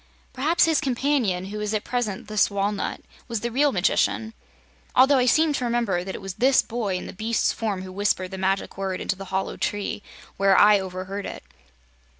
Perhaps his companion, who is at present this walnut, was the real magician, although I seem to remember that it was this boy in the beast's form who whispered the Magic Word into the hollow tree, where I overheard it."